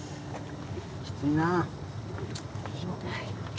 きついな。